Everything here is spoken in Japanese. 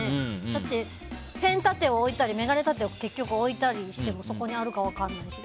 だって、ペン立てを置いたり眼鏡立てを置いたりしてもそこにあるか分からないし。